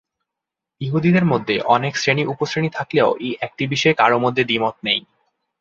ইহুদিদের মধ্যে অনেক শ্রেণী-উপশ্রেণী থাকলেও এই একটি বিষয়ে কারও মধ্যে দ্বিমত নেই।